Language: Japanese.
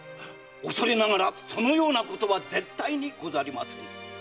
恐れながらそのようなことは絶対にござりませぬ。